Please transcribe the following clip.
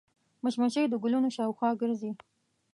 مچمچۍ د ګلونو شاوخوا ګرځي